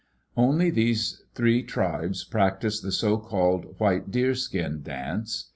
Only these three tribes practice the socalled white deer skin dance.